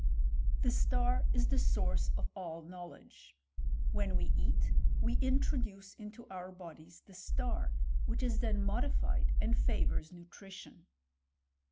The star is the source of all knowledge. When we eat, we introduce into our bodies the star^ which is then modified, and favours nutrition.